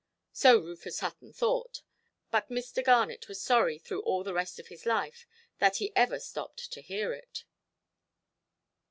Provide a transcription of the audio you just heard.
So Rufus Hutton thought. But Mr. Garnet was sorry through all the rest of his life that he ever stopped to hear it.